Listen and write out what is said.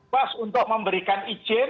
pas untuk memberikan izin